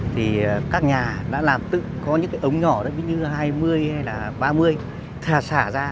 thì các nhà đã làm tự có những cái ống nhỏ đó như hai mươi hay là ba mươi xả ra